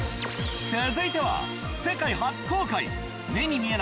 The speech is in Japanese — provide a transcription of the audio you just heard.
続いては。